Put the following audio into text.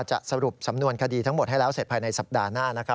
สรุปสำนวนคดีทั้งหมดให้แล้วเสร็จภายในสัปดาห์หน้านะครับ